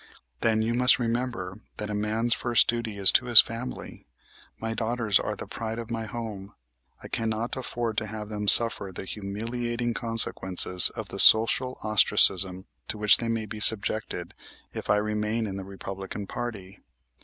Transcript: Then, you must remember that a man's first duty is to his family. My daughters are the pride of my home. I cannot afford to have them suffer the humiliating consequences of the social ostracism to which they may be subjected if I remain in the Republican party.